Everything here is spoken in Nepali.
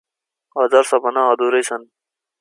हजार सपना अधुरै छन ।